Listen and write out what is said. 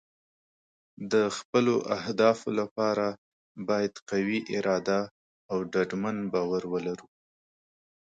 د خپلو اهدافو لپاره باید قوي اراده او ډاډمن باور ولرو.